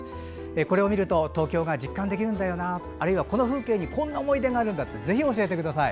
これを見ると東京が実感できるんだよなあるいはこの風景にこんな思い出があるなどぜひ教えてください。